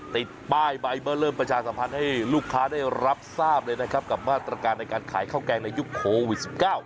ติดป้ายใบเบอร์เริ่มประชาสัมพันธ์ให้ลูกค้าได้รับทราบเลยนะครับกับมาตรการในการขายข้าวแกงในยุคโควิด๑๙